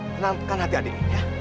tenangkan hati adik